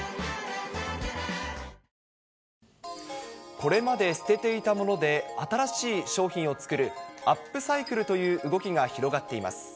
これまで捨てていたもので、新しい商品を作る、アップサイクルという動きが広がっています。